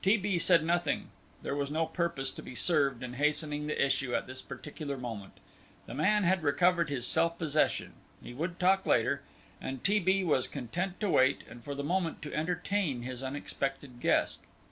T. B. said nothing; there was no purpose to be served in hastening the issue at this particular moment. The man had recovered his self possession, he would talk later, and T. B. was content to wait, and for the moment to entertain his unexpected guest.